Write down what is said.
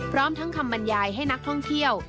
พร้อมทั้งคำบรรยายให้นักท่องเที่ยว